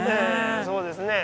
そうですね。